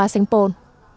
hòa sánh pôn